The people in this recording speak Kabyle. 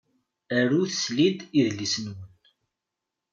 Arut slid idles-nwen